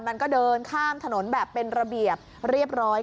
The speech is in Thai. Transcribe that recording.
มันก็เดินข้ามถนนแบบเป็นระเบียบเรียบร้อย